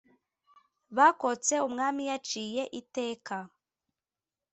bakotse umwami yaciye iteka"